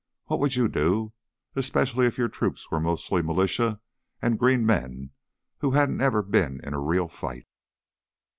What would you do, especially if your troops were mostly militia and green men who hadn't ever been in a real fight?"